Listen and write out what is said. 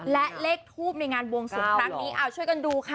และเลขทูบในงานบวงสวงครั้งนี้เอาช่วยกันดูค่ะ